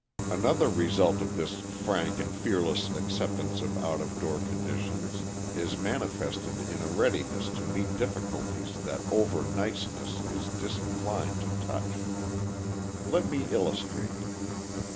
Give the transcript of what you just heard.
Another result of this frank and fearless acceptance of out of door conditions is manifested in a readiness to meet difficulties that over niceness is disinclined to touch. Let me illustrate.